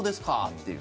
っていう。